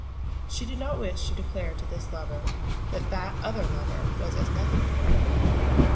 She did not wish to declare to this lover that that other lover was as nothing to her.